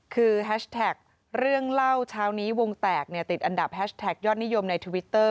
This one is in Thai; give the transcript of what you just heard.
คือแฮชแท็กเรื่องเล่าเช้านี้วงแตกติดอันดับแฮชแท็กยอดนิยมในทวิตเตอร์